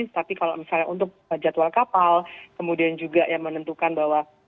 tapi kalau misalnya untuk jadwal kapal kemudian juga yang menentukan bahwa